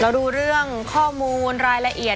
ดูเรื่องข้อมูลรายละเอียด